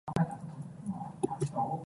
嗰啲嘢到後來經已沒有嗰家野